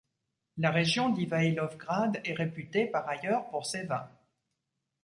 La région d’Ivaïlovgrad est réputée, par ailleurs, pour ses vins.